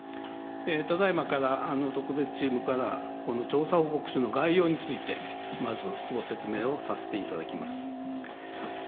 ただいまから特別チームから調査報告書の概要についてまず、ご説明をさせていただきます。